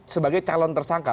sebagai calon tersangka